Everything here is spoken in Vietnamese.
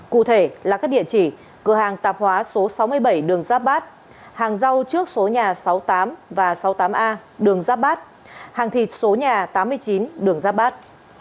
cụ thể là các địa chỉ cửa hàng tạp hóa số sáu mươi bảy đường giáp bát hàng rau trước số nhà sáu mươi tám và sáu mươi tám a đường giáp bát hàng thịt số nhà tám mươi chín đường giáp bát